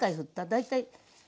大体。